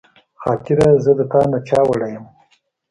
خاطره زه د تا نه چاوړی یم